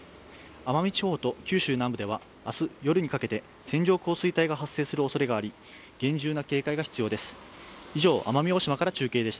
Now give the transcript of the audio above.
奄美地方と九州南部では明日夜にかけて線状降水帯が発生するおそれがあり、厳重な警戒が必要です。